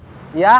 kamu sama kinanti